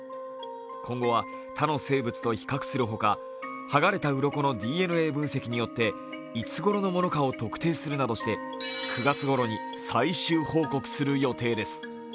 今後は他の生物と比較するほか、剥がれたうろこのＤＮＡ分析によっていつごろのものかを特定するなどして、９月ごろに最終報告する予定です。